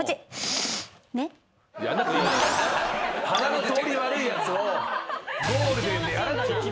鼻の通り悪いやつを。